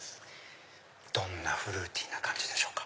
どんなフルーティーな感じでしょうか。